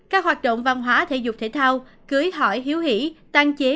các hoạt động văn hóa thể dục thể thao cưới hỏi hiếu hỉ tăng chế